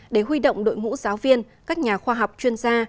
để huy động đội ngũ giáo viên các nhà khoa học chuyên gia